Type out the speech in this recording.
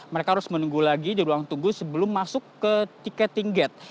mereka harus menunggu lagi di ruang tunggu sebelum masuk ke tiket tiket